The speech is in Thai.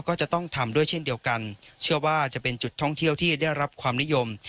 ก็จะต้องทำด้วยเช่นเดียวกันเชื่อว่าจะเป็นจุดท่องเที่ยวที่ได้รับความนิยม